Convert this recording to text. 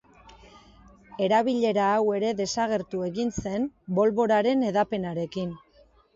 Erabilera hau ere desagertu egin zen bolboraren hedapenarekin.